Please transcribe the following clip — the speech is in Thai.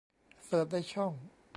เสิร์ชในช่อง